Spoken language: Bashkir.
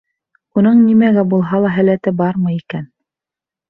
Уның нимәгә булһа ла һәләте бармы икән?